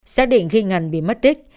xác định khi ngân bị mất tích